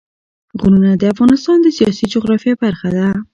غرونه د افغانستان د سیاسي جغرافیه برخه ده.